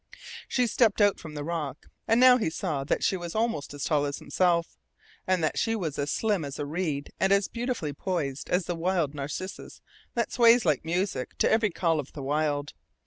She stepped out from the rock. And now he saw that she was almost as tall as himself, and that she was as slim as a reed and as beautifully poised as the wild narcissus that sways like music to every call of the wind.